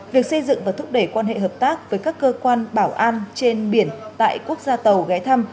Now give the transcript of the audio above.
việc xây dựng và thúc đẩy quan hệ hợp tác với các cơ quan bảo an trên biển tại quốc gia tàu ghé thăm